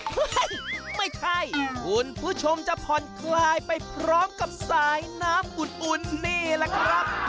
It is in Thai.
เฮ้ยไม่ใช่คุณผู้ชมจะผ่อนคลายไปพร้อมกับสายน้ำอุ่นนี่แหละครับ